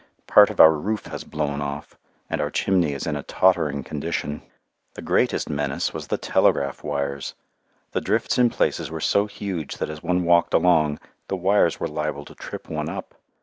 Part of our roof has blown off and our chimney is in a tottering condition. The greatest menace was the telegraph wires. The drifts in places were so huge that as one walked along, the wires were liable to trip one up.